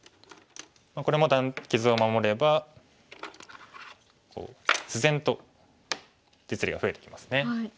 これも傷を守れば自然と実利が増えてきますね。